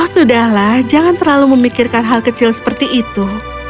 sudahlah jangan terlalu memikirkan hal kecil seperti itu